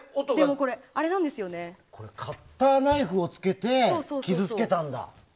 カッターナイフをつけて傷つけたんだ。